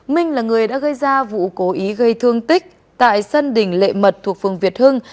minh là người đã gây ra vụ cố ý gây thương tích tại sân đỉnh lệ mật thuộc phường việt hưng